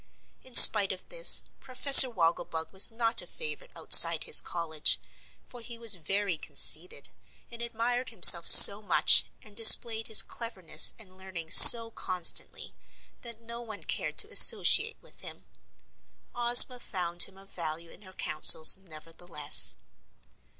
In spite of this, Professor Wogglebug was not a favorite outside his college, for he was very conceited and admired himself so much and displayed his cleverness and learning so constantly, that no one cared to associate with him. Ozma found him of value in her councils, nevertheless.